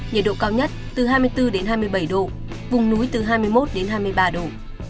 nhiệt độ cao nhất từ hai mươi bốn đến hai mươi bảy độ vùng núi từ hai mươi một đến hai mươi ba độ